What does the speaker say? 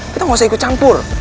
kita nggak usah ikut campur